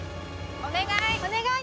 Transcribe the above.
お願い！